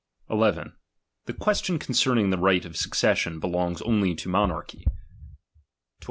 1 1 . The question concerning the right of succession belongs only to monarchy. 12.